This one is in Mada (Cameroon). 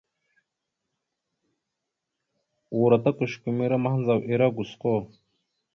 Uro ta kʉsəkumere mahəndzaw ere gosko.